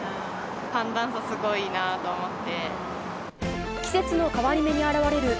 寒暖差すごいなと思って。